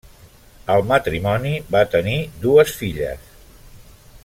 El matrimoni va tenir dues filles: